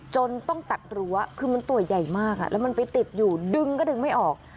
จนต้องตัดรั้วคือมันตัวใหญ่มากแล้วมันไปติดอยู่ดึงก็ดึงไม่ออก